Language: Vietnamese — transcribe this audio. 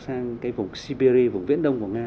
sang cái vùng siberia vùng viễn đông của nga